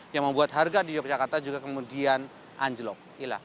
yang membuat harga di yogyakarta juga kemudian anjlok